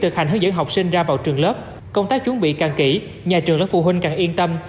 các em dẫn học sinh ra vào trường lớp công tác chuẩn bị càng kỹ nhà trường lớp phụ huynh càng yên tâm